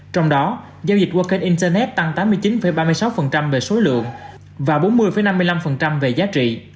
trong đó giao dịch qua kênh internet tăng tám mươi chín ba mươi sáu về số lượng và bốn mươi năm mươi năm về giá trị